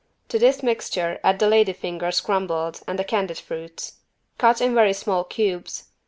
To this mixture add the lady fingers crumbed and the candied fruits. Cut in very small cubes.